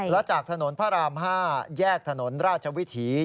และจากถนนพระราม๕แยกถนนราชวิถี